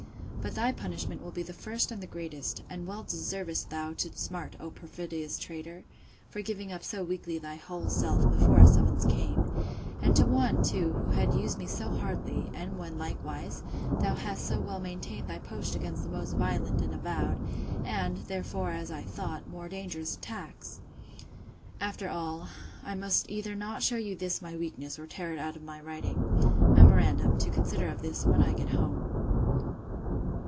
But thy punishment will be the first and the greatest; and well deservest thou to smart, O perfidious traitor! for giving up so weakly thy whole self, before a summons came; and to one, too, who had used me so hardly; and when, likewise, thou hadst so well maintained thy post against the most violent and avowed, and, therefore, as I thought, more dangerous attacks! After all, I must either not shew you this my weakness, or tear it out of my writing. Memorandum: to consider of this, when I get home.